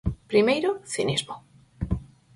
Primeiro, cinismo.